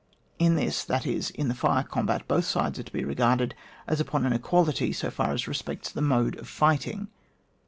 In this, that is, in the fire combat, both sides are to be regarded as upon an equality, so far as respects the mode of fighting.